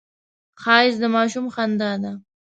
ښایست د ماشوم خندا ده